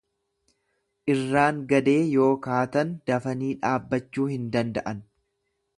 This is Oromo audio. Irraan gadee yoo kaatan dafanii dhaabbachuu hin danda'an.